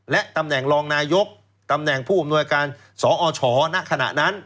และตำแหน่งรองนายกตำแหน่งผู้อำนวยการสอชณขณะนั้น